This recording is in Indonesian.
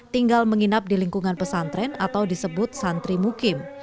tinggal menginap di lingkungan pesantren atau disebut santri mukim